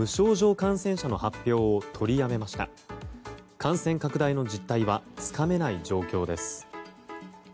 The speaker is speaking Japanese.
感染拡大の実態はつかめない状況です。